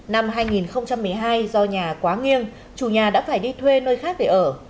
năm hai nghìn một mươi hai do nhà quá nghiêm chủ nhà đã phải đi thuê nơi khác để ở